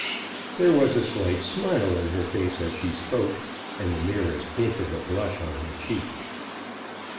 There was a slight smile on her face as she spoke, and the merest hint of a blush on her cheek.